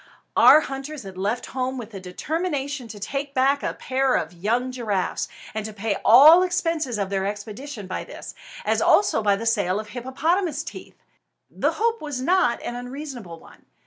Our hunters had left home with the determination to take back a pair of young giraffes, and to pay all expenses of their expedition by this, as also by the sale of hippopotamus teeth. The hope was not an unreasonable one.